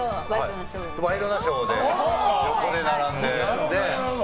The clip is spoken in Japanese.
「ワイドナショー」で横で並んで。